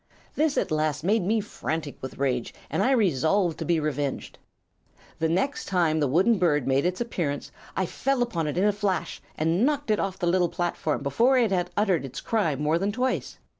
"This at last made me frantic with rage, and I resolved to be revenged. The next time the wooden bird made its appearance I new upon it in a flash and knocked it off the little platform before it had uttered its cry more than twice.